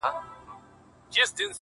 زه دي په دعا کي یادومه نور,